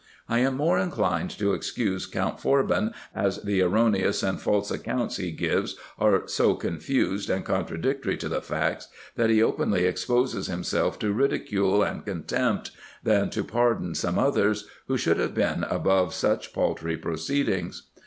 I am more inclined to excuse Count Forbin, as the erroneous and false accounts he gives are so confused and con tradictory to the facts, that he openly exposes himself to ridicule and contempt, than to pardon some others, who should have been above such paltry proceedings.